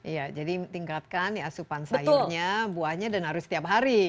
iya jadi tingkatkan ya asupan sayurnya buahnya dan harus setiap hari